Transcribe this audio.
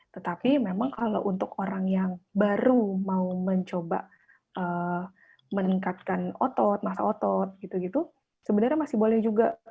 tetapi memang kalau untuk orang yang baru mau mencoba meningkatkan otot masa otot gitu gitu sebenarnya masih boleh juga